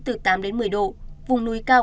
từ tám đến một mươi độ vùng núi cao